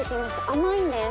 甘いんです。